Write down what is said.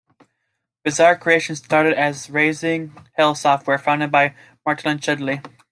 Bizarre Creations started as Raising Hell Software, founded by Martyn Chudley.